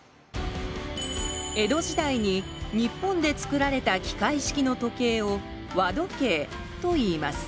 江戸時代に日本でつくられた機械式の時計を「和時計」といいます。